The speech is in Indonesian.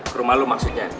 ke rumah lo maksudnya